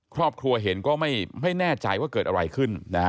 ครอบครัวเห็นก็ไม่แน่ใจว่าเกิดอะไรขึ้นนะฮะ